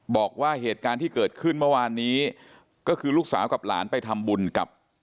บอกว่าเหตุการณ์ที่เกิดขึ้นเมื่อวานนี้ก็คือลูกสาวกับหลานไปทำบุญกับ